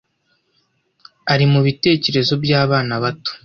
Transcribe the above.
ari mubitekerezo byabana bato-